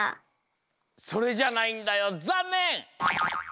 それじゃないんだよざんねん！